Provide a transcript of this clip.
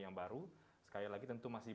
yang baru sekali lagi tentu masih